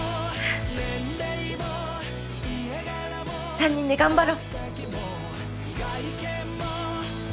３人で頑張ろう！